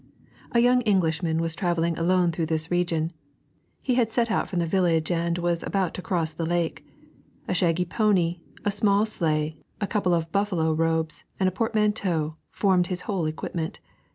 A young Englishman was travelling alone through this region. He had set out from the village and was about to cross the lake. A shaggy pony, a small sleigh, a couple of buffalo robes and a portmanteau formed his whole equipment.